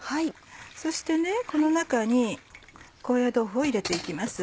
そしてこの中に高野豆腐を入れて行きます。